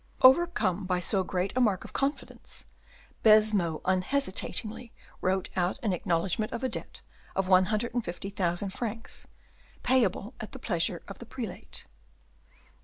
Overcome by so great a mark of confidence, Baisemeaux unhesitatingly wrote out an acknowledgement of a debt of one hundred and fifty thousand francs, payable at the pleasure of the prelate.